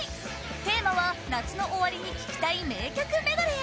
テーマは夏の終わりに聴きたい名曲メドレー